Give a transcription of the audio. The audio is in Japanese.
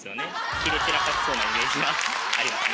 きれ散らかしそうなイメージがありますね。